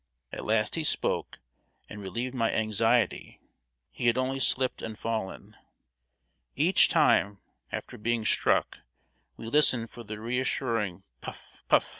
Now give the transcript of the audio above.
At last he spoke, and relieved my anxiety. He had only slipped and fallen. Each time, after being struck, we listened for the reassuring puff! puff!